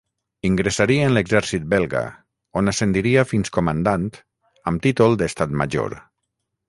Ingressaria en l'exèrcit belga, on ascendiria fins comandant, amb títol d'Estat Major.